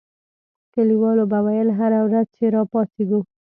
کلیوالو به ویل هره ورځ چې را پاڅېږو.